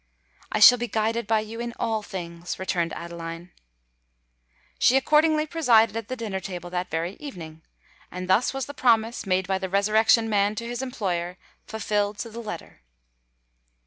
"I shall be guided by you in all things," returned Adeline. She accordingly presided at the dinner table that very evening:—and thus was the promise, made by the Resurrection Man to his employer, fulfilled to the letter.